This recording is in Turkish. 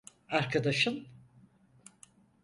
Arkadaşın…